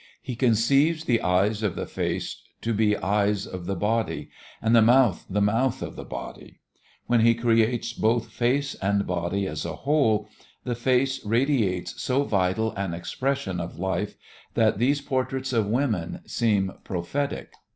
He conceives the eyes of the face to be eyes of the body, and the mouth the mouth of the body. When he creates both face and body as a whole, the face radiates so vital an expression of life that these portraits of women seem prophetic.